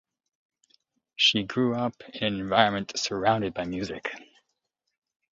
She grew up in an environment surrounded by music.